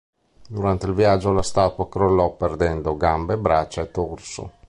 Durante il viaggio la statua crollò perdendo gambe, braccia e torso.